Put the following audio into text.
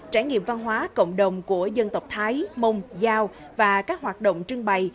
trải nghiệm văn hóa cộng đồng của dân tộc thái mông giao và các hoạt động trưng bày